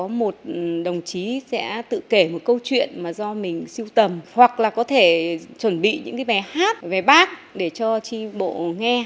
có một đồng chí sẽ tự kể một câu chuyện mà do mình siêu tầm hoặc là có thể chuẩn bị những cái bài hát về bác để cho tri bộ nghe